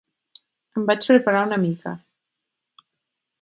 Em vaig preparar una mica.